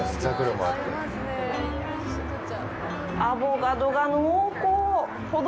アボカドが濃厚！ほど